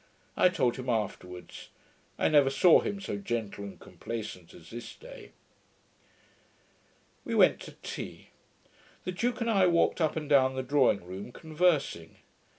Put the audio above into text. I told him afterwards. I never saw him so gentle and complaisant as this day. We went to tea. The duke and I walked up and down the drawing room, conversing.